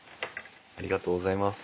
ありがとうございます。